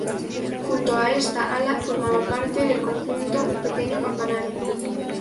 Junto a esta ala formaba parte del conjunto un pequeño campanario.